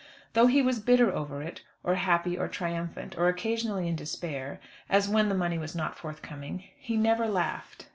Though he was bitter over it, or happy; triumphant, or occasionally in despair as when the money was not forthcoming he never laughed.